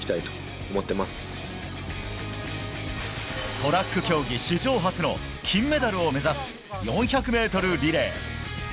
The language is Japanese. トラック競技史上初の金メダルを目指す４００ｍリレー。